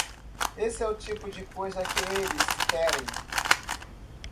Esse é o tipo de coisa que eles querem.